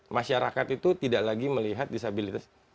masyarakat itu tidak lagi melihat disabilitas